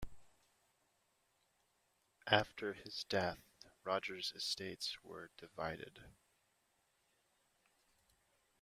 After his death, Roger's estates were divided.